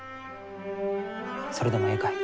それでもえいかえ？